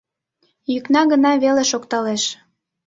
Йӱкна гына веле шокталеш.